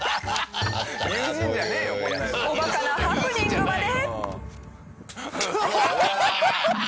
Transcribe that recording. おバカなハプニングまで。